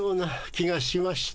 気がしまして。